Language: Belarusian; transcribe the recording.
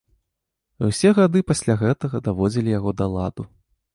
І ўсе гады пасля гэтага даводзілі яго да ладу.